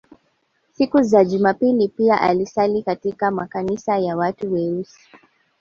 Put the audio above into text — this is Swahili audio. Siku za Jumapili pia alisali katika makanisa ya watu weusi